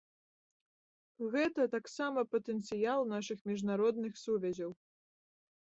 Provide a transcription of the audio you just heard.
Гэта таксама патэнцыял нашых міжнародных сувязяў.